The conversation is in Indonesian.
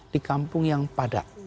di kampung yang padat